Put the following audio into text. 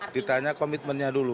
ditanya komitmennya dulu